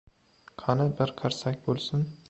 Qani, bir qarsak bo‘lsin!